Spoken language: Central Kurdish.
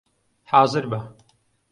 حازر بە!